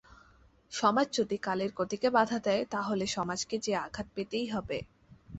সমাজ যদি কালের গতিকে বাধা দেয় তা হলে সমাজকে যে আঘাত পেতেই হবে।